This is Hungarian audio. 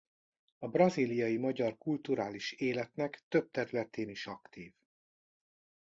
A brazíliai magyar kulturális életnek több területén is aktív.